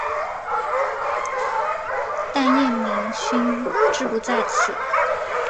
但叶明勋志不在此。